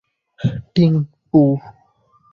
টিং, পু।